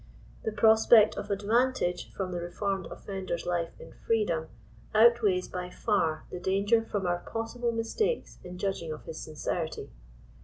The prospect of advantage from the reformed offendei's life in freedom, outweighs by far the danger from our possible mistakes in judging of his sincerity.